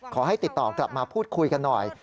ขอให้ติดต่อกลับมาพูดคุยกันหน่อย